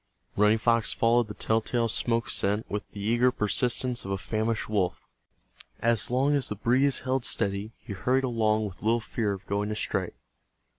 Running Fox followed the tell tale smoke scent with the eager persistence of a famished wolf. As long as the breeze held steady he hurried along with little fear of going astray.